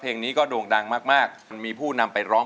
เพลงนี้โด่งดังมากมีผู้นำไปร้อง